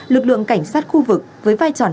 lực lượng cảnh sát khu vực với vai tròn